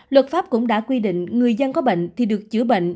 luật pháp cũng đã quy định người dân có bệnh thì được chữa bệnh